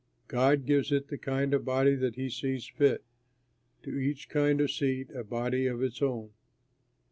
God gives it the kind of body that he sees fit, to each kind of seed a body of its own.